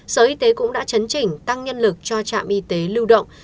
sở y tế cũng đã chấn chỉnh tăng nhân lực cho trạm y tế lưu động